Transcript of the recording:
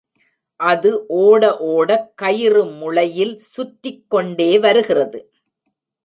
அது ஓட ஓடக் கயிறு முளையில் சுற்றிக் கொண்டே வருகிறது.